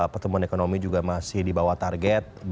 pertumbuhan ekonomi juga masih di bawah target